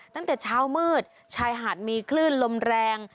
ตั้งแต่เช้ามืดชายหาดมีคลื่นลมแรง